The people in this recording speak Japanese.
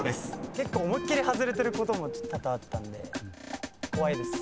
結構思いっ切り外れてることも多々あったんで怖いです。